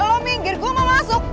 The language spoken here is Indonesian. kalau minggir gue mau masuk